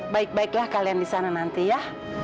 baik baiklah kalian disana nanti ya